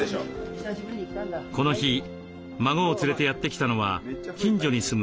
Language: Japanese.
この日孫を連れてやって来たのは近所に住む長男の諒さん。